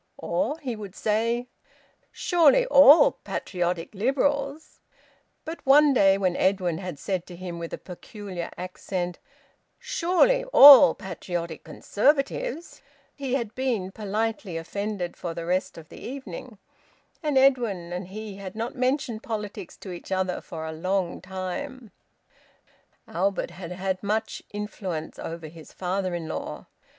Or he would say: "Surely all patriotic Liberals " But one day when Edwin had said to him with a peculiar accent: "Surely all patriotic Conservatives " he had been politely offended for the rest of the evening, and Edwin and he had not mentioned politics to each other for a long time. Albert had had much influence over his father in law.